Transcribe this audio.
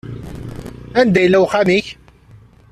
Anda yella uxxam-ik?